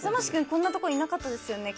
こんなとこいなかったですよね